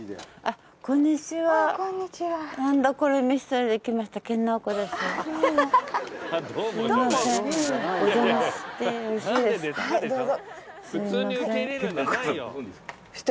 はいどうぞ。